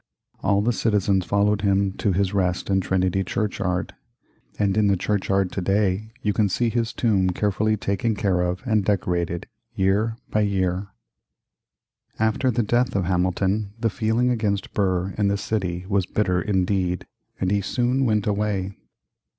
All the citizens followed him to his rest in Trinity Churchyard, and in the churchyard to day you can see his tomb carefully taken care of and decorated, year by year. After the death of Hamilton the feeling against Burr in the city was bitter indeed, and he soon went away.